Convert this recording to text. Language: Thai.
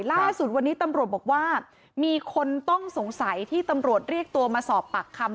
ล่าสุดวันนี้ตำรวจบอกว่ามีคนต้องสงสัยที่ตำรวจเรียกตัวมาสอบปากคำ